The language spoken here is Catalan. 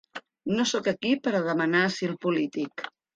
No sóc aquí per a demanar asil polític